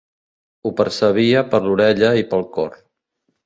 Ho percebia per l'orella i pel cor.